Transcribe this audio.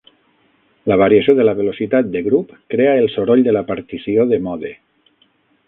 La variació de la velocitat de grup crea el soroll de la partició de mode.